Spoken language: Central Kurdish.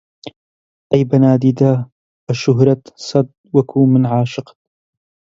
ئەی بە نادیدە، بە شوهرەت سەد وەکوو من عاشقت